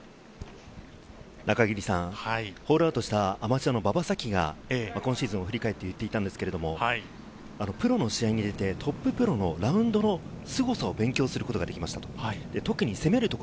ホールアウトしたアマチュアの馬場咲希が今シーズンを振り返って言っていたんですけれど、プロの試合に出て、トッププロのラウンドのすごさを勉強することができました。